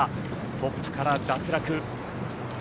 トップから脱落。